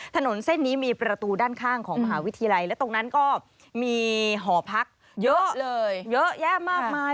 ถนนเส้นนี้มีประตูด้านข้างของมหาวิทยาลัยและตรงนั้นก็มีหอพักเยอะเลยเยอะแยะมากมาย